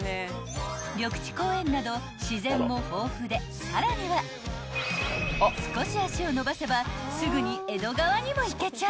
［緑地公園など自然も豊富でさらには少し足を延ばせばすぐに江戸川にも行けちゃう］